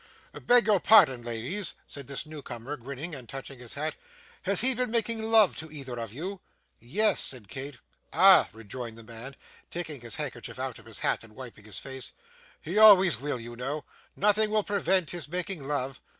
'Beg your pardon, ladies,' said this new comer, grinning and touching his hat. 'Has he been making love to either of you?' 'Yes,' said Kate. 'Ah!' rejoined the man, taking his handkerchief out of his hat and wiping his face, 'he always will, you know. Nothing will prevent his making love.